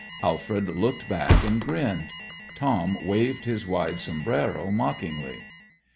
Alfred looked back and grinned. Tom waved his wide sombrero mockingly.